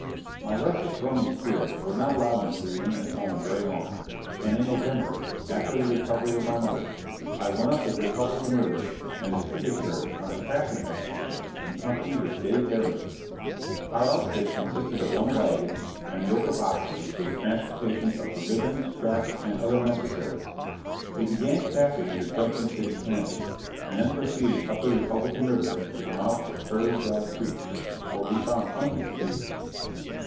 My restless, roaming spirit would not allow me to remain at home very long, and in November, after the recovery of my mother, I went up the Republican River and its tributaries on a trapping expedition in company with Dave Harrington. Our outfit consisted of one wagon and a yoke of oxen for the transportation of provisions, traps, and other necessaries. We began trapping near Junction City, Kansas, and then proceeded up the Republican River to the mouth of Prairie Dog Creek, where we found plenty of beavers.